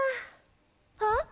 あっ！